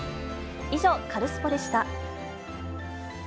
以上、カルスポっ！でした。